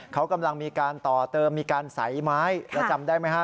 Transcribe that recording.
เขากำลังมีการต่อเติมมีการใสไม้แล้วจำได้ไหมฮะ